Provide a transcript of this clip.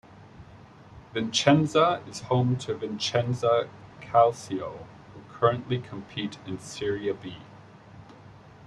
Vicenza is home to Vicenza Calcio, who currently compete in Serie B.